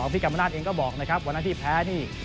พี่กรรมนาศเองก็บอกนะครับวันนั้นที่แพ้นี่